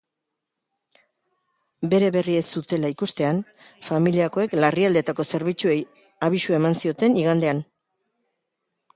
Bere berri ez zutela ikustean, familiakoek larrialdietako zerbitzuei abisua eman zioten igandean.